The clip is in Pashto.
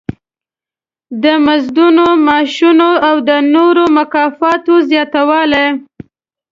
د مزدونو، معاشونو او د نورو مکافاتو زیاتوالی.